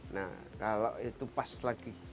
nah kalau itu pas lagi